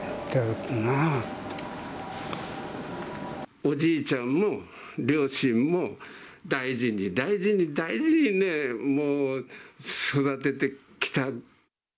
おじいちゃんも両親も大事に大事に大事にね、もう育ててきた。